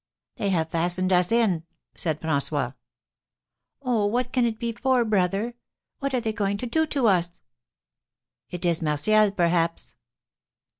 "They have fastened us in," said François. "Oh, what can it be for, brother? What are they going to do to us?" "It is Martial, perhaps."